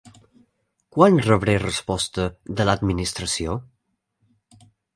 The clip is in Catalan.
Quan rebré resposta de l'Administració?